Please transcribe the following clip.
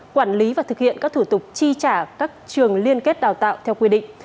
quản lý và thực hiện các thủ tục chi trả các trường liên kết đào tạo theo quy định